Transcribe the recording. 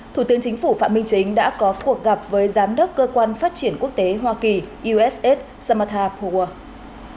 thủ tướng chính phủ phạm minh chính đã có cuộc gặp với giám đốc cơ quan phát triển quốc tế hoa kỳ uss samata puwoog